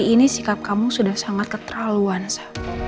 kali ini sikap kamu sudah sangat keterlaluan sa